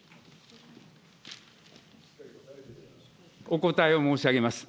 お答えを申し上げます。